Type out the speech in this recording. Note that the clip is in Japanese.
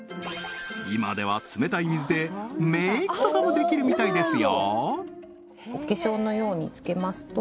今では冷たい水でメイクとかもできるみたいですよ